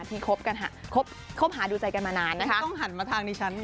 ที่คบกันฮะคบคบหาดูใจกันมานานนะคะไม่ต้องหันมาทางดิฉัน